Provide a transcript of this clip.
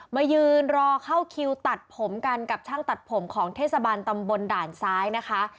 มายืนรอเข้าคิวตัดผมกันกับช่างตัดผมของเทศบาลตำบลด่านซ้ายนะคะ